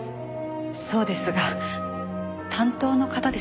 そうですが担当の方ですか？